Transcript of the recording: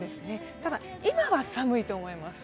ただ、今は寒いと思います。